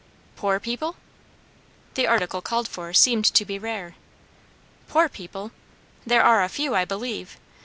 "Poor people?" The article called for seemed to be rare. "Poor people? There are a few, I believe.